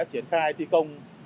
triển khai thi công